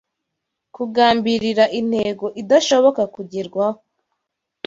kugambirira intego idashoboka kugerwaho